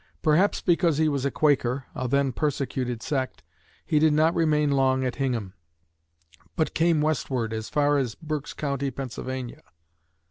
Perhaps because he was a Quaker, a then persecuted sect, he did not remain long at Hingham, but came westward as far as Berks County, Pennsylvania.